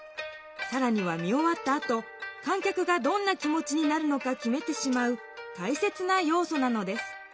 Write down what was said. さらには見おわったあと観客がどんな気持ちになるのかきめてしまうたいせつな要素なのです。